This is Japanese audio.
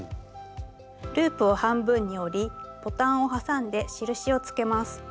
ループを半分に折りボタンを挟んで印をつけます。